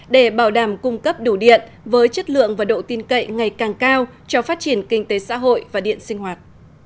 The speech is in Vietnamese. để bảo đảm cung cấp đủ điện với chất lượng và độ tin cậy ngày càng cao cho phát triển kinh tế xã hội và điện sinh hoạt